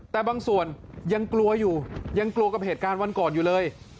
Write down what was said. แต่บางส่วนยังกลัวอยู่ยังกลัวกับเหตุการณ์วันก่อนอยู่เลย